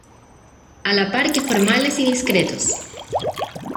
a la par que formales y discretos.